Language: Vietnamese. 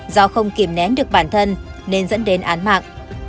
do không kìm nén được bản thân nên dẫn đến án mạng